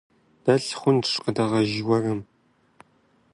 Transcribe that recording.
Дэлъ хъунщ къыдэгъэж гуэрым.